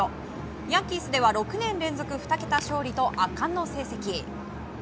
ヤンキースでは６年連続２桁勝利と圧巻の成績。